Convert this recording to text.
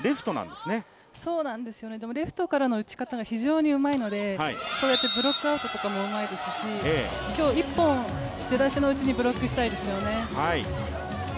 でもレフトからの打ち方が非常にうまいので、こうやってブロックアウトとかもうまいですし、今日１本、出だしのうちにブロックしたいですよね。